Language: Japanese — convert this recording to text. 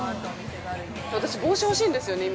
私、帽子欲しいんですよね、今。